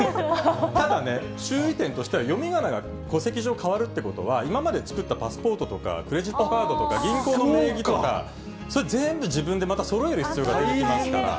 ただね、注意点としては、読みがなが戸籍上、変わるということは、今まで作ったパスポートとか、クレジットカードとか、銀行の名義とか、それ、全部、自分でまたそろえる必要がありま大変だ。